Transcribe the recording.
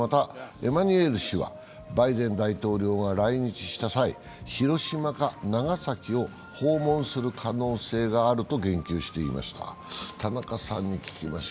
また、エマニュエル氏はバイデン大統領が来日した際、広島か長崎を訪問する可能性があると言及していました。